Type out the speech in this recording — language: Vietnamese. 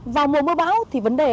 vào mùa mưa bão thì vấn đề